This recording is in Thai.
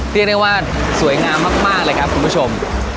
เรียกได้ว่าสวยงามมากเลยครับคุณผู้ชม